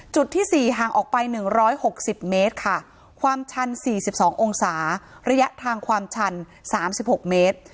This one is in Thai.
ที่๔ห่างออกไป๑๖๐เมตรค่ะความชัน๔๒องศาระยะทางความชัน๓๖เมตร